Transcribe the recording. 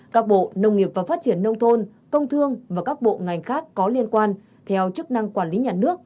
các bộ nông nghiệp và phát triển nông thôn công thương và các bộ ngành khác có liên quan theo chức năng quản lý nhà nước